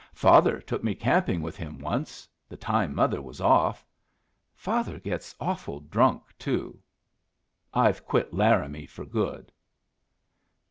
"Father took me camping with him once, the time mother was off. Father gets awful drunk, too. I've quit Laramie for good."